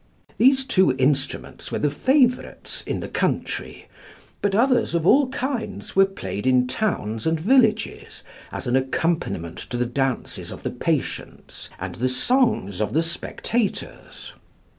These two instruments were the favourites in the country, but others of all kinds were played in towns and villages, as an accompaniment to the dances of the patients and the songs of the spectators.